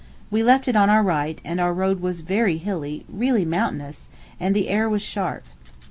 We left it on our right, and our road was very hilly, really mountainous, and the air was sharp.